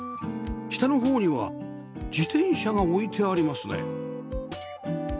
下のほうには自転車が置いてありますね